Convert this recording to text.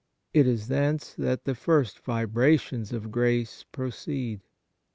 It is thence that the first vibrations of grace proceed.